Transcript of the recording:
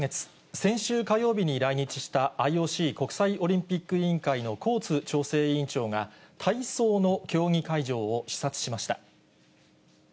先週火曜日に来日したＩＯＣ・国際オリンピック委員会のコーツ調整委員長が、体操の競技会場を視察しました。